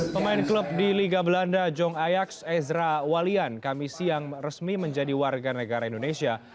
pemain klub di liga belanda jong ayaks ezra walian kami siang resmi menjadi warga negara indonesia